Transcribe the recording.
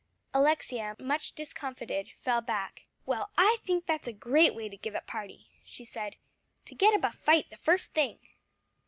Alexia, much discomfited, fell back. "Well, I think that's a great way to give a party," she said, "to get up a fight the first thing."